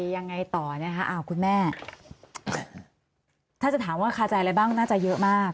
ยังไงต่อนะคะอ้าวคุณแม่ถ้าจะถามว่าคาใจอะไรบ้างน่าจะเยอะมาก